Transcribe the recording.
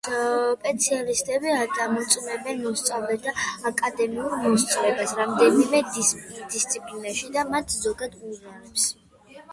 სპეციალისტები ამოწმებდნენ მოსწავლეთა აკადემიურ მოსწრებას რამდენიმე დისციპლინაში და მათ ზოგად უნარებს.